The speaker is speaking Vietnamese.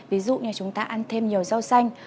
ví dụ như chúng ta ăn thêm nhiều rau xanh